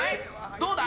どうだ？